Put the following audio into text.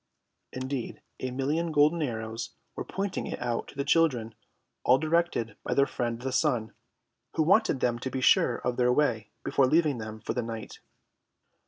Indeed a million golden arrows were pointing it out to the children, all directed by their friend the sun, who wanted them to be sure of their way before leaving them for the night.